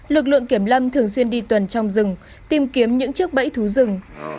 lực lượng kiểm lâm thường xuyên đi tuần trong rừng tìm kiếm những chiếc bẫy thú rừng